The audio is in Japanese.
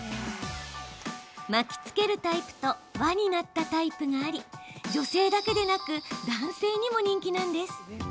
巻きつけるタイプと輪になったタイプがあり女性だけでなく男性にも人気。